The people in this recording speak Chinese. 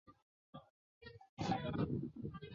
韦罗人口变化图示